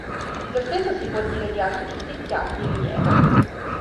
Lo stesso si può dire di altri giustiziati di rilievo.